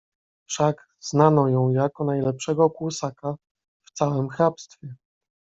"Wszak znano ją jako najlepszego kłusaka w całem hrabstwie."